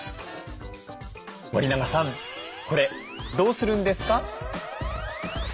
これどうするんですか？